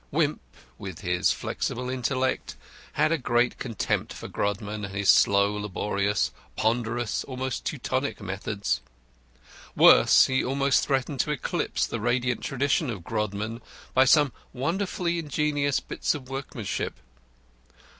Wimp, with his flexible intellect, had a great contempt for Grodman and his slow, laborious, ponderous, almost Teutonic methods. Worse, he almost threatened to eclipse the radiant tradition of Grodman by some wonderfully ingenious bits of workmanship.